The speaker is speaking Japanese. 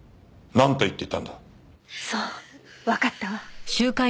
そうわかったわ。